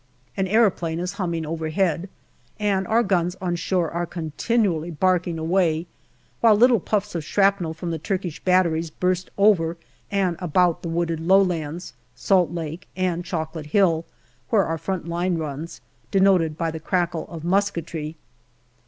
An aeroplane is humming overhead, and our guns on shore are continually barking away, while little puffs of shrapnel from the Turkish batteries burst over and about the wooded low lands, Salt Lake and Chocolate Hill, where our front line runs, denoted by the crackle of musketry.